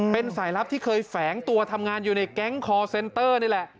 เป็นสายลับที่เคยแฝงตัวทำงานอยู่ในแก๊งคอร์เซ็นเตอร์นี่แหละ